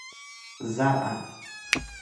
زرع